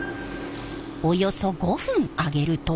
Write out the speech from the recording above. およそ５分揚げると。